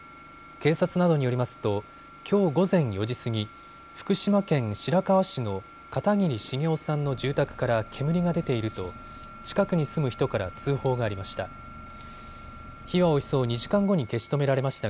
警察などによりますときょう午前４時過ぎ、福島県白河市の片桐重男さんの住宅から煙が出ていると近くに住む人から通報がありました。